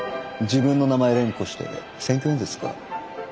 自分の名前連呼して選挙演説か。